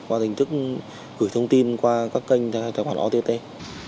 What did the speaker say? qua hình thức gửi thông tin qua giao dịch trực tuyến